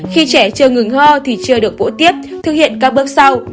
khi trẻ chưa ngừng ho thì chưa được vỗi tiếp thực hiện các bước sau